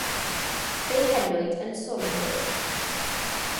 Fe'i henwyd yn 'Saunders'.